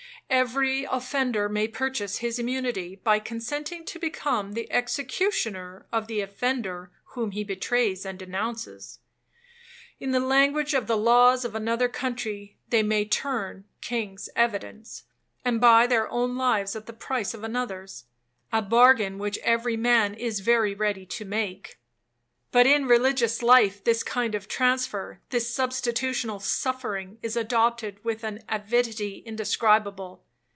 Every offender may purchase his immunity, by consenting to become the executioner of the offender whom he betrays and denounces. In the language of the laws of another country, they may turn 'king's evidence,' and buy their own lives at the price of another's,—a bargain which every man is very ready to make. But, in religious life, this kind of transfer, this substitutional suffering, is adopted with an avidity indescribable.